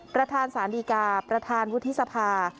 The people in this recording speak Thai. ประธานสารดีกาประธานวุฒิสภา